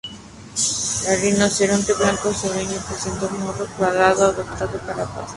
El rinoceronte blanco sureño presenta un morro cuadrado adaptado para pastar.